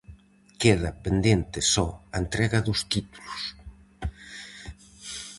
Queda pendente só a entrega dos títulos.